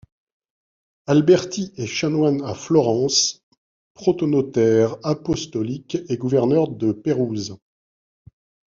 Alberti est chanoine à Florence, protonotaire apostolique et gouverneur de Pérouse.